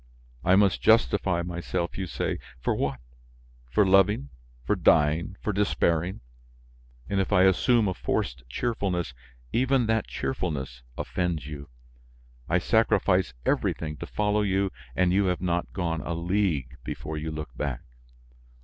I must justify myself, you say! For what? For loving, for dying, for despairing? And if I assume a forced cheerfulness, even that cheerfulness offends you. I sacrifice everything to follow you and you have not gone a league before you look back.